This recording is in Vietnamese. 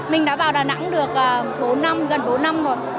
mình đã vào đà nẵng được bốn năm gần bốn năm rồi